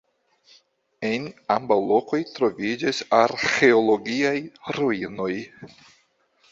En ambaŭ lokoj troviĝas arĥeologiaj ruinoj.